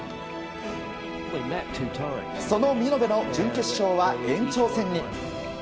その見延の準決勝は延長戦に。